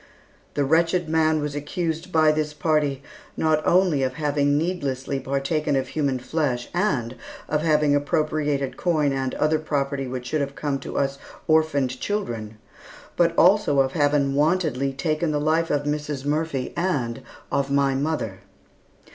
The wretched man was accused by this party, not only of having needlessly partaken of human flesh, and of having appropriated coin and other property which should have come to us orphaned children, but also of having wantonly taken the life of Mrs. Murphy and of my mother.